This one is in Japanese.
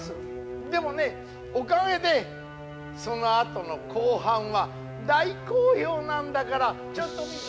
でもねおかげでそのあとの後半は大好評なんだからちょっと見て。